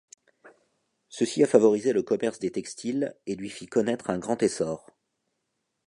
Ceci a favorisé le commerce des textiles et lui fit connaître un grand essor.